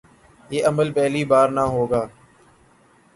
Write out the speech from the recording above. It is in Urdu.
یہ عمل پہلی بار نہ ہو گا۔